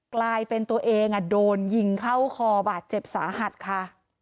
กลายเป็นตัวเองโดนยิงเข้าคอบาดเจ็บสาหัสค่ะ